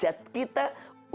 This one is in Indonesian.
dan istighfar memudahkan hajj